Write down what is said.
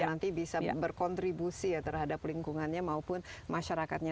nanti bisa berkontribusi ya terhadap lingkungannya maupun masyarakatnya